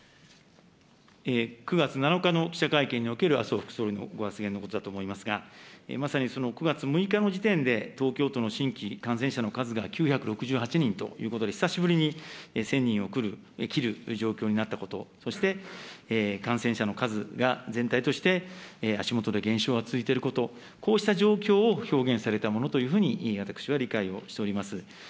９月７日の記者会見における麻生副総理のご発言のことだと思いますが、まさに９月６日の時点で東京都の新規感染者の数が９６８人ということで、久しぶりに１０００人を切る状況になったこと、そして感染者の数が全体として足元で減少が続いていること、こうした状況を表現されたものというふうに私は理解をしております。